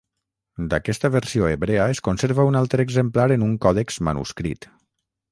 D'aquesta versió hebrea es conserva un altre exemplar en un còdex manuscrit.